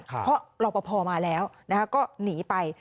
เพราะรอปภมาแล้วก็หนีไป